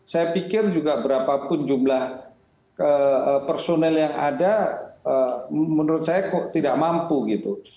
saya pikir juga berapapun jumlah personel yang ada menurut saya kok tidak mampu gitu